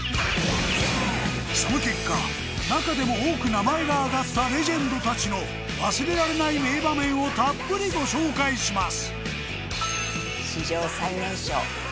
その結果中でも多く名前があがったレジェンドたちの忘れられない名場面をたっぷりご紹介します